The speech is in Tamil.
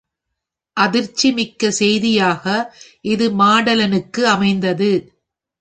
அதிர்ச்சி மிக்க செய்தியாக இது மாடலனுக்கு அமைந்தது.